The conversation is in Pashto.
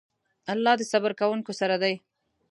الله د صبر کوونکو سره دی.